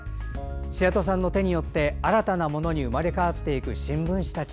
白戸さんの手によって新たなものに生まれ変わっていく新聞紙たち。